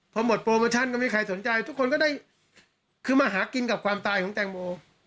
พอหมดโปรโมชั่นก็ไม่มีใครสนใจทุกคนก็ได้คือมาหากินกับความตายของแตงโม